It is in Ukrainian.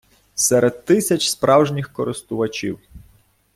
серед тисяч справжніх користувачів